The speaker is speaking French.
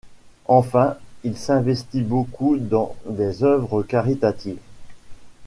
Enfin, il s'investit beaucoup dans des œuvres caritatives.